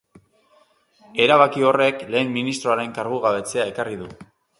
Erabaki horrek lehen ministroaren kargugabetzea ekarri du.